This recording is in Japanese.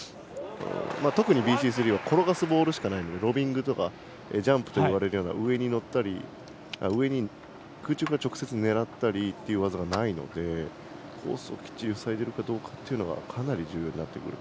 特にＢＣ３は転がすボールしかないのでロビングとかジャンプといわれるような空中から直接狙ったりという技がないのでコースをきっちり塞いでいるかがかなり重要になる。